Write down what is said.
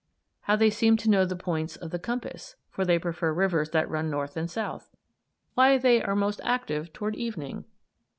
Why they seem to know the points of the compass for they prefer rivers that run north and south. Why they are most active toward evening.